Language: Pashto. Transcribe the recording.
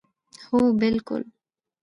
هو بلکل